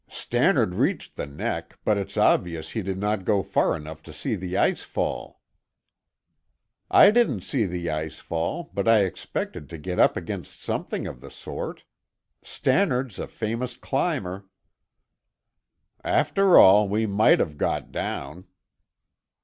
"Stannard reached the neck, but it's obvious he did not go far enough to see the ice fall." "I didn't see the ice fall, but I expected to get up against something of the sort. Stannard's a famous climber." "After all, we might have got down."